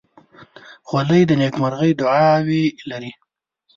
خولۍ د نیکمرغۍ دعاوې لري.